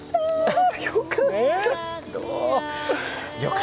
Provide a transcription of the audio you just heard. よかったー！